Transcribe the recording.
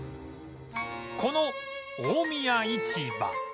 この大宮市場